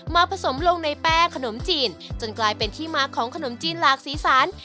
ผสมลงในแป้งขนมจีนจนกลายเป็นที่มาของขนมจีนหลากสีสัน